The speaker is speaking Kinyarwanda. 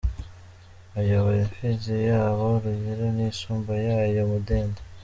Ayobora imfizi yabo Rugira n’isumba yayo Mudende.